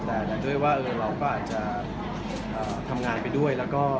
แต่ด้วยว่าเราอาจจะทำงานไปด้วย